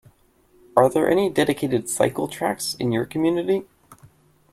Are there any dedicated cycle tracks in your community?